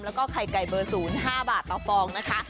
แล้วก็ไข่ไก่เบอร์๐๕บาทต่อฟองนะคะ